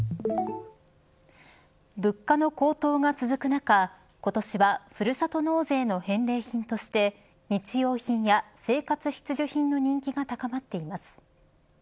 物価の高騰が続く中今年はふるさと納税の返礼品として日用品や生活必需品の人気が高まっています。